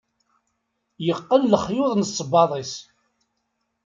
yeqqen lexyuḍ n sebbaḍ-is